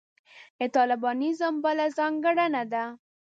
د طالبانیزم بله ځانګړنه ده.